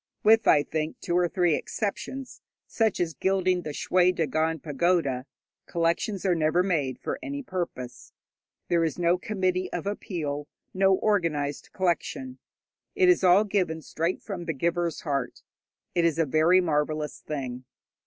With, I think, two or three exceptions, such as gilding the Shwe Dagon pagoda, collections are never made for any purpose. There is no committee of appeal, no organized collection. It is all given straight from the giver's heart. It is a very marvellous thing.